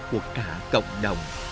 của cả cộng đồng